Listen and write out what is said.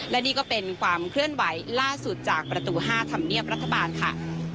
และนี่ก็เป็นความเคลื่อนไหวล่าสุดจากประตู๕ธรรมเนียบรัฐบาลค่ะ